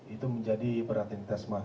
itu menjadi beraktivitas mahasiswa